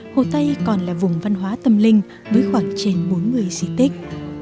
hồ tây còn là vùng văn hóa tâm linh với khoảng trên bốn mươi di tích